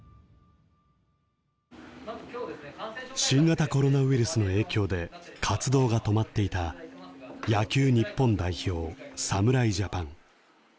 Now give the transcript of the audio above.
新型コロナウイルスの影響で活動が止まっていた野球日本代表侍ジャパン。